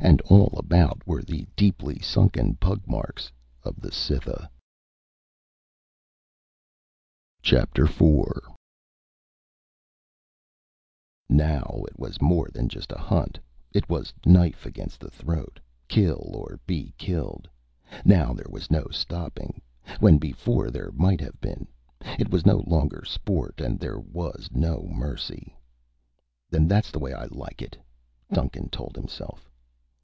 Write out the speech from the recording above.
And all about were the deeply sunken pug marks of the Cytha! IV Now it was more than just a hunt. It was knife against the throat, kill or be killed. Now there was no stopping, when before there might have been. It was no longer sport and there was no mercy. "And that's the way I like it," Duncan told himself.